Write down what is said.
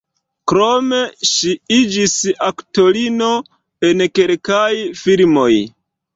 Krome ŝi iĝis aktorino en kelkaj filmoj.